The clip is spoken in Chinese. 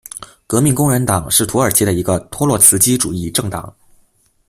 革命工人党是土耳其的一个托洛茨基主义政党。